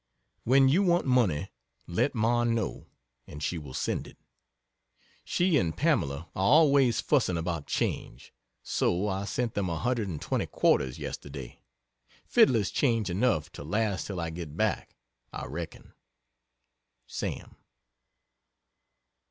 When you want money, let Ma know, and she will send it. She and Pamela are always fussing about change, so I sent them a hundred and twenty quarters yesterday fiddler's change enough to last till I get back, I reckon. SAM.